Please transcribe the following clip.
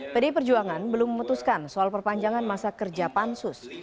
pdi perjuangan belum memutuskan soal perpanjangan masa kerja pansus